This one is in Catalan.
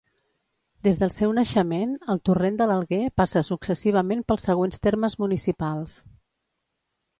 Des del seu naixement, el Torrent de l'Alguer passa successivament pels següents termes municipals.